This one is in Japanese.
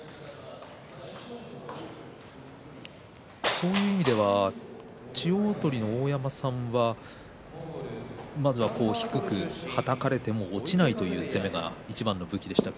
そういう意味では千代鳳の大山さんはまずは低くはたかれても落ちないという攻めがいちばんの武器でした。